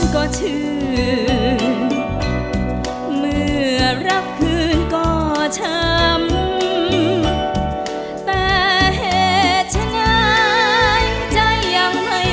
ขอบคุณค่ะ